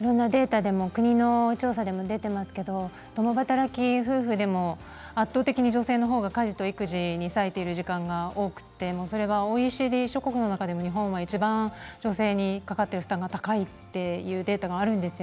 いろんなデータでも国の調査でも出ていますが共働き夫婦でも圧倒的に女性の方が家事と育児に割いている時間が多くてそれはＯＥＣＤ諸国の中では日本がいちばん女性の負担する率が高いというデータもあるんです。